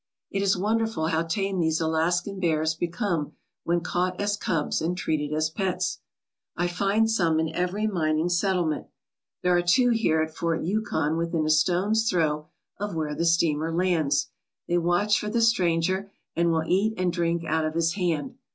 It is wonderful how tame these Alaskan bears become when caught as cubs and treated as pets. I find some in 121 ALASKA OUR NORTHERN WONDERLAND every mining settlement. There are two here at Fort Yukon within a stone's throw of where the steamer lands. They watch for the stranger and will eat and drink out of his hand.